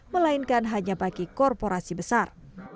melainkan hanya bagi korporasi besar